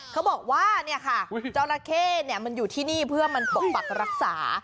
เขาบอกว่าเนี่ยค่ะจราเข้มันอยู่ที่นี่เพื่อมันปกปักรักษา